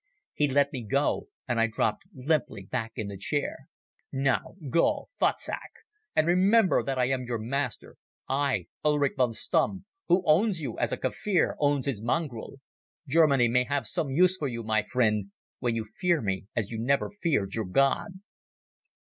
He let me go and I dropped limply back in the chair. "Now, go! Futsack! And remember that I am your master. I, Ulric von Stumm, who owns you as a Kaffir owns his mongrel. Germany may have some use for you, my friend, when you fear me as you never feared your God."